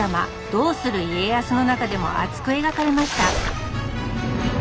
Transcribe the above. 「どうする家康」の中でも熱く描かれました。